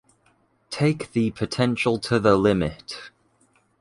Take the potential to the limit.